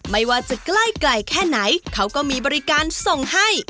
ไม่ว่าจะใกล้ไกลแค่ไหนเขาก็มีบริการส่งให้